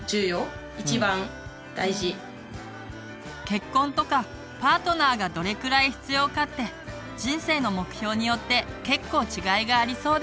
結婚とかパートナーがどれくらい必要かって人生の目標によって結構違いがありそうですね。